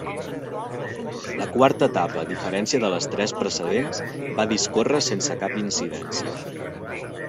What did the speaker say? La quarta etapa, a diferència de les tres precedents, va discórrer sense cap incidència.